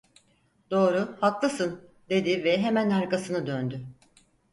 "Doğru, haklısın!" dedi ve hemen arkasını döndü.